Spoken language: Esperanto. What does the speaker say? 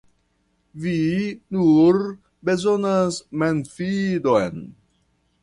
Vi nur bezonas memfidon.